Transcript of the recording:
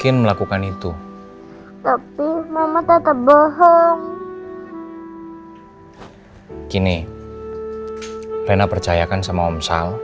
neng 're you up